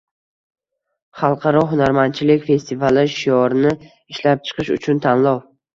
Xalqaro hunarmandchilik festivali shiorini ishlab chiqish uchun tanlov